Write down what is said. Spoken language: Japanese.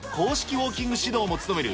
ウォーキング指導も務める